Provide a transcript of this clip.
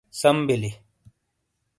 سم بلی۔